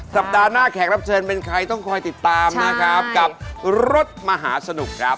สัปดาห์หน้าแขกรับเชิญเป็นใครต้องคอยติดตามนะครับกับรถมหาสนุกครับ